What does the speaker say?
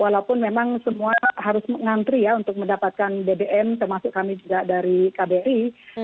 walaupun memang semua harus mengantri ya untuk mendapatkan bbm termasuk kami juga dari kbri